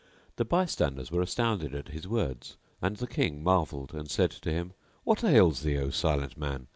The bystanders were astounded at his words and the King marvelled and said to him, "What ails thee, O Silent Man?